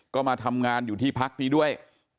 ก็มาทำงานอยู่ที่พักนี้ด้วย